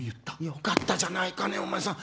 よかったじゃないか、お前さん。